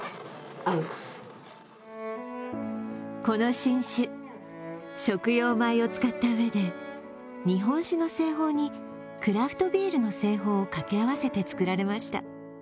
この新酒、食用米を使ったうえで日本酒の製法にクラフトビールの製法を掛け合わせて造られました。